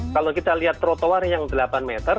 kalau kita lihat trotoar yang delapan meter